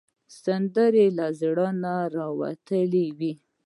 سندره له زړه نه راوتلې وي